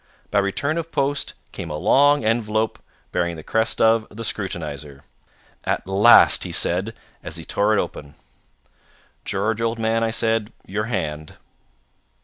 By return of post came a long envelope bearing the crest of the Scrutinizer. 'At last,' he said, as he tore it open. "'George, old man,' I said, 'your hand.'